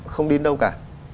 không đi đâu cả